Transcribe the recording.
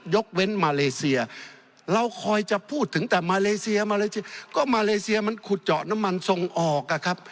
ยกเว้นมาเลเซียเราคอยจะพูดถึงแต่มาเลเซียมาเลเซียก็มาเลเซียมันขุดเจาะน้ำมันส่งออกอะครับ